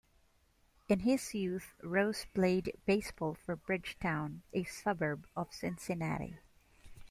In his youth, Rose played baseball for Bridgetown, a suburb of Cincinnati.